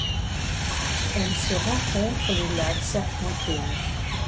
Elle se rencontre les lacs serpentine.